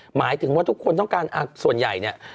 หมายถึงว่าทุกคนต้องการส่วนใหญ่เนี่ย